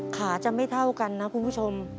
ขาจะไม่เท่ากันนะคุณผู้ชม